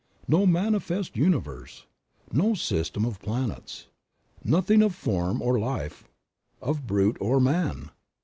No manifest universe! No system of planets! Nothing of form or life, of brute or man